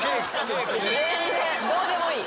どうでもいい。